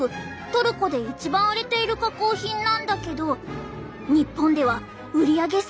トルコで一番売れている加工品なんだけど日本では売り上げ最下位なんだ。